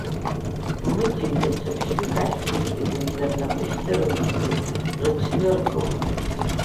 Мыџьеи даҽа ԥшьҩык аҷкәынцәеи зынӡа рнапы шьҭырымхӡеит, рыҽныркылт.